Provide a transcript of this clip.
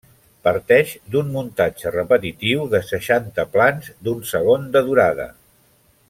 Parteix d’un muntatge repetitiu de seixanta plans d’un segon de durada.